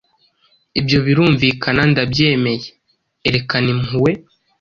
ibyo birumvikana”Ndabyemeye Erekana impuhwe